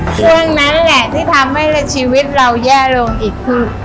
ช่วงนั้นแหละที่ทำให้ชีวิตเราแย่ลงอีกคือ